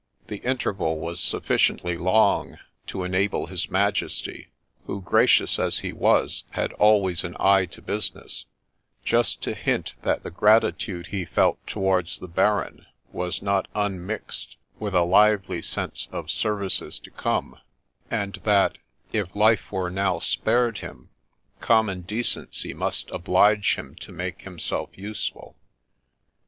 The interval was sufficiently long to enable his Majesty, who, gracious as he was, had always an eye to business, just to hint that the gratitude he felt towards the Baron was not unmixed with a lively sense of services to come ; and that, if life were now spared him, common decency must oblige him to make himself useful.